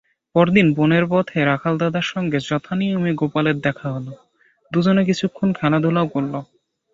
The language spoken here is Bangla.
পরদিন বনের পথে রাখাল-দাদার সঙ্গে যথানিয়মে গোপালের দেখা হল, দুজনে কিছুক্ষণ খেলাধুলাও করল।